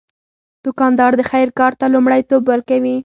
دوکاندار د خیر کار ته لومړیتوب ورکوي.